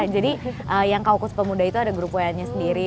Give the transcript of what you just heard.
jadi yang kaukus pemuda itu ada grup wa nya sendiri